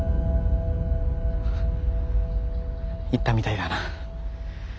行ったみたいだな。